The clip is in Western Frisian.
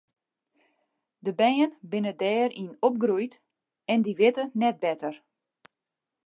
De bern binne dêryn opgroeid en dy witte net better.